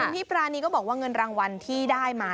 พี่ปรานีก็บอกว่าเงินรางวัลที่ได้มา